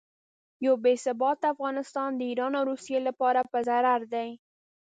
یو بې ثباته افغانستان د ایران او روسیې لپاره په ضرر دی.